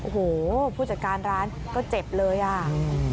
โอ้โหผู้จัดการร้านก็เจ็บเลยอ่ะ